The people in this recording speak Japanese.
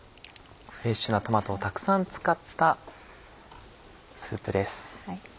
フレッシュなトマトをたくさん使ったスープです。